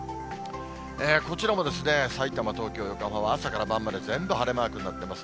こちらも、さいたま、東京、横浜は朝から晩まで全部晴れマークになっています。